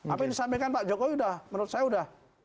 apa yang disampaikan pak jokowi sudah menurut saya sudah